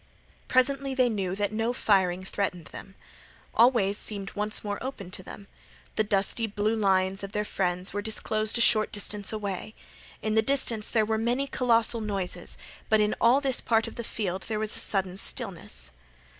Presently they knew that no firing threatened them. All ways seemed once more opened to them. The dusty blue lines of their friends were disclosed a short distance away. In the distance there were many colossal noises, but in all this part of the field there was a sudden stillness.